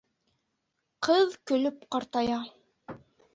Ҡыҙ көлөп ҡартая.